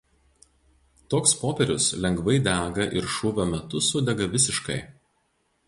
Toks popierius lengvai dega ir šūvio metu sudega visiškai.